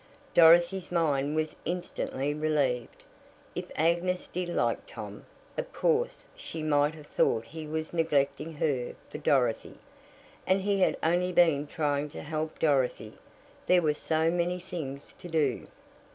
Dorothy's mind was instantly relieved. If Agnes did like Tom, of course she might have thought he was neglecting her for Dorothy. And he had only been trying to help Dorothy there were so many things to do.